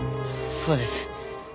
そうです。